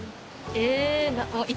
え？